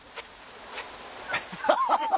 ハハハハ！